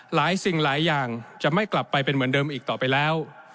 สิ่งหลายอย่างจะไม่กลับไปเป็นเหมือนเดิมอีกต่อไปแล้ว